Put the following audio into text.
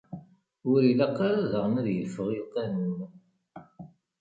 Ur ilaq ara daɣen ad yeffeɣ i lqanun.